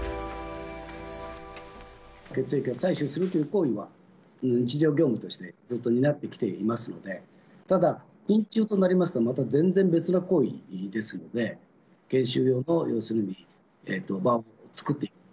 血液を採取するという行為は日常業務としてずっと担ってきていますので、ただ、筋注となりますと、また全然別な行為ですので、研修用の要するに場を作っていくと。